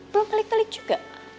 belum pelik pelik juga